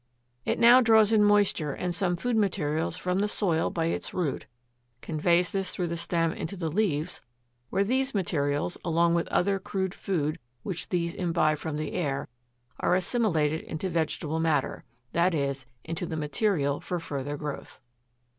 It now draws in moisture and some food materials from the soil by its root, conveys this through the stem into the leaves, where these materials, along with other crude food which these imbibe from the air, are assimilated into vegetable matter, i. e. into the material for further growth.